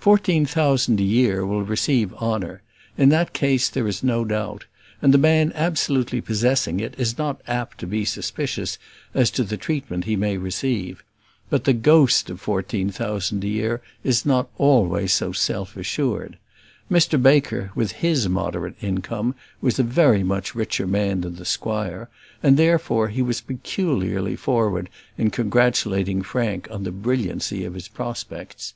Fourteen thousand a year will receive honour; in that case there is no doubt, and the man absolutely possessing it is not apt to be suspicious as to the treatment he may receive; but the ghost of fourteen thousand a year is not always so self assured. Mr Baker, with his moderate income, was a very much richer man than the squire; and, therefore, he was peculiarly forward in congratulating Frank on the brilliancy of his prospects.